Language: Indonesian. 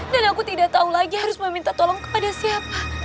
dan aku tidak tahu lagi harus meminta tolong kepada siapa